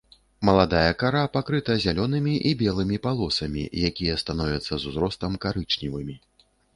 Маладая кара пакрыта зялёнымі і белымі палосамі, якія становяцца з узростам карычневымі.